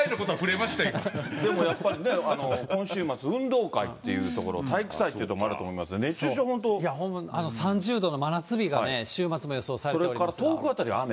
でもやっぱりね、今週末、運動会っていう所、体育祭っていうところも多いと思いますけど、本当に３０度の真夏日が週末それから東北辺りは雨。